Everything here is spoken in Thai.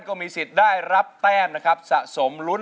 ร้องได้ให้ร้าน